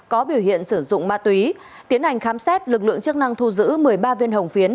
có biểu hiện sử dụng ma túy tiến hành khám xét lực lượng chức năng thu giữ một mươi ba viên hồng phiến